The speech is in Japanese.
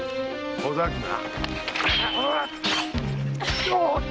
ほざくな！